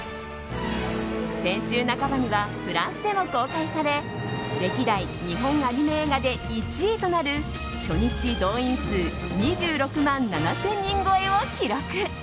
先週半ばにはフランスでも公開され歴代日本アニメ映画で１位となる初日動員数２６万７０００人超えを記録。